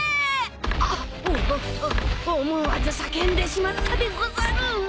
［あっおっと思わず叫んでしまったでござる］